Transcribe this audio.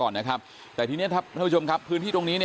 เพราะว่าวันแรกเนี่ยบางคนก็มาทันไงฮะ